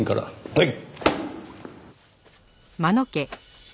はい！